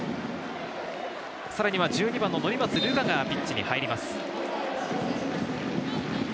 さらには１２番・乗松瑠華がピッチに入ります。